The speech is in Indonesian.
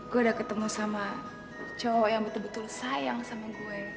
gue udah ketemu sama cowok yang betul betul sayang sama gue